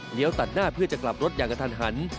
ตัดหน้าเพื่อจะกลับรถอย่างกระทันหัน